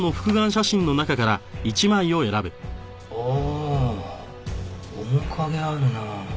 ああ面影あるな。